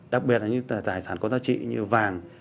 đặc biệt là những tài sản có giá trị như vàng